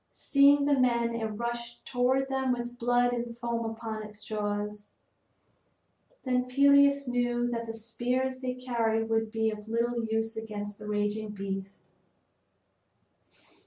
Seeing the men it rushed toward them with blood and foam upon its jaws. Then Peleus knew that the spears they carried would be of little use against the raging beast.